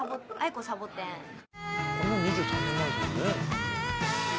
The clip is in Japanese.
もう２３年前ですもんね。